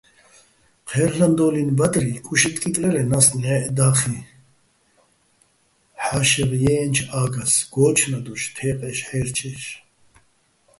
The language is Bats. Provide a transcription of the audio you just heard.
ჴერლ'ანდო́ლინო̆ ბადრი კუშე́ტკკიკლირეჼ ნასტ ნჺაიჸ და́ხიჼ ჰ̦ა́შეღ ჲე́ჸენჩო̆ ა́გას გოჩნადოშ, თეყეშ-ჰე́რჩეშ.